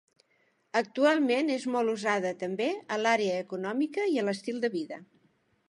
Actualment és molt usada també a l'àrea econòmica i a l'estil de vida.